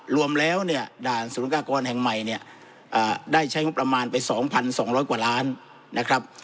รวมแล้วด่านศูนย์กากรแห่งใหม่ได้ใช้งบประมาณไป๒๒๐๐กว่าล้านบาท